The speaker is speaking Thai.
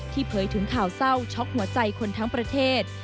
เผยถึงข่าวเศร้าช็อกหัวใจคนทั้งประเทศ